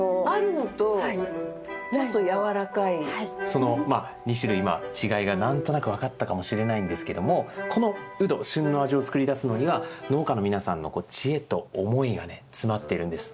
その２種類今違いが何となく分かったかもしれないんですけどもこのウド旬の味を作り出すのには農家の皆さんの知恵と思いがね詰まっているんです。